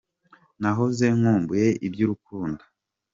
Nahoze nkumbuye iby’urukundo